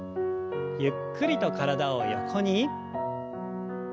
ゆっくりと体を横に。